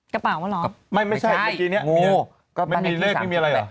กระเป๋าเหรอไม่ไม่ใช่เมื่อกี้เนี้ยมีก็ไม่มีเลขไม่มีอะไรเหรอ